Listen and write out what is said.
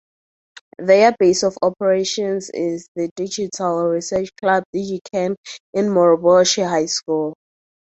Their base of operations is the Digital Research Club "Digiken" in Moroboshi High School.